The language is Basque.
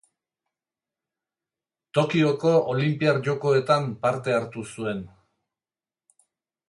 Tokioko Olinpiar Jokoetan parte hartu zuen.